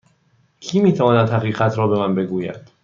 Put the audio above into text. کی می تواند حقیقت را به من بگوید؟